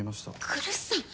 来栖さん。